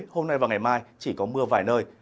hôm nay và ngày mai chỉ có mưa vài nơi